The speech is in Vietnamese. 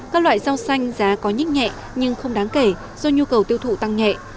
các loại rau xanh giá có nhích nhẹ nhưng không đáng kể do nhu cầu tiêu thụ tăng nhẹ